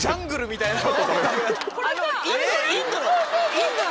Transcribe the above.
インドの？